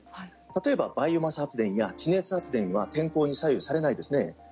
例えばバイオマス発電や地熱発電は天候に左右されないですね。